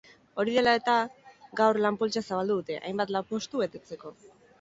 Hori dela eta, gaur lan-poltsa zabaldu dute, hainbat lanpostu betetzeko.